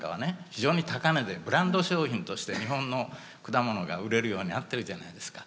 非常に高値でブランド商品として日本の果物が売れるようになってるじゃないですか。